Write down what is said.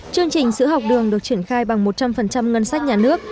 chương trình sữa học đường được triển khai bằng một trăm linh ngân sách nhà nước